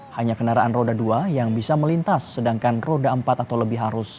hanya kendaraan roda dua yang bisa melintas sedangkan roda empat atau lebih harus